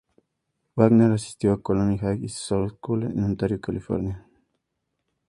Wagner asistió a Colony High School en Ontario, California.